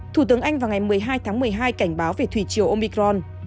thủ tướng anh vào ngày một mươi hai tháng một mươi hai cảnh báo về thủy triều omicron